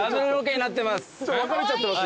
分かれちゃってます